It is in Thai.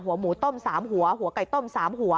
หัวหมูต้ม๓หัวหัวไก่ต้ม๓หัว